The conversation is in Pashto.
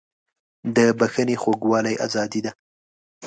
د بښنې خوږوالی ازادي ده.